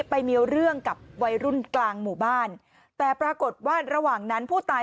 ไปมีเรื่องกับวัยรุ่นกลางหมู่บ้านแต่ปรากฏว่าระหว่างนั้นผู้ตาย